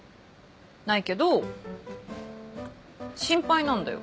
ないけど心配なんだよ。